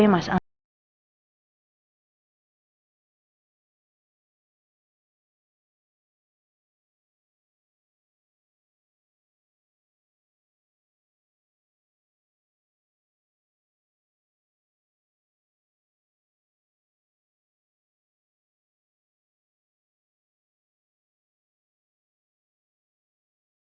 mama simpan aja biar gak hilang